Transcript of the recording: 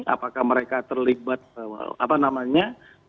apakah mereka terlibat apa namanya